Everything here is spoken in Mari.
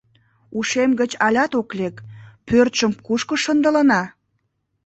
Ушем гыч алят ок лек: пӧртшым кушко шындылына?